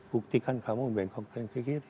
buktikan kamu bengkokkan ke kiri